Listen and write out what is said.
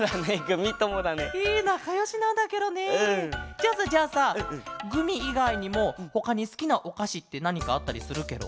じゃあさじゃあさグミいがいにもほかにすきなおかしってなにかあったりするケロ？